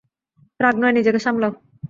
রাগ নয়, নিজেকে সামলাও।